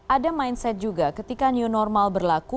ada mindset juga ketika new normal berlaku